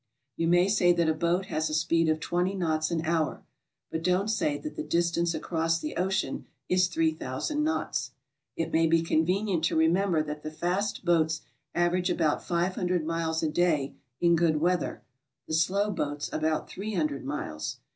You may say that a boat has a speed of 20 knots an hour, but don't say that the distance across the ocean is 3000 knots. It may be convenient to remember that the fast boats average about 500 miles a day in good weather, the slow boats about 300 miles.